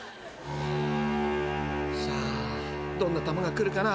［さあどんな球が来るかな？